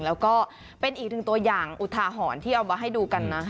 แล้วก็เป็นอีกหนึ่งตัวอย่างอุทาหรณ์ที่เอามาให้ดูกันนะ